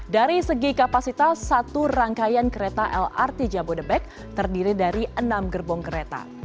dari segi kapasitas satu rangkaian kereta lrt jabodebek terdiri dari enam gerbong kereta